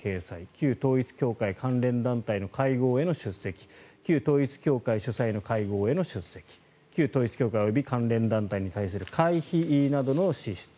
旧統一教会関連団体の会合への出席旧統一教会主催の会合への出席旧統一教会及び関連団体に対する会費などの支出